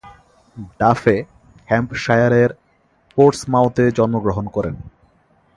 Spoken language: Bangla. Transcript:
ডাফে হ্যাম্পশায়ারের পোর্টসমাউথে জন্মগ্রহণ করেন।